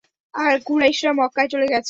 আর কুরাইশরা মক্কায় চলে গেছে।